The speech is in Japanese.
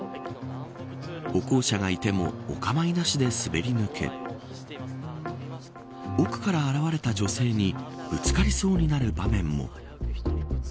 歩行者がいてもお構いなしで滑り向け奥から現れた女性にぶつかりそうになる場面も。